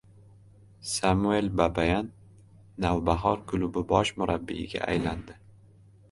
Samvel Babayan "Navbahor" klubi bosh murabbiyiga aylandi